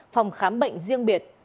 phòng khám bệnh riêng biệt